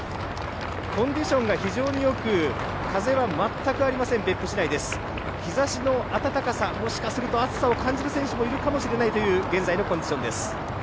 コンディションが非常によく、風は全くありません、別府市内です、日ざしの暖かさ、もしかすると暑さを感じる選手もいるかもしれないという現在のコンディションです。